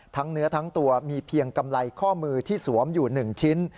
เนื้อทั้งตัวมีเพียงกำไรข้อมือที่สวมอยู่๑ชิ้น